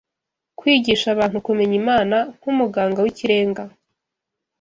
Kwigisha abantu kumenya Imana nk’Umuganga w’ikirenga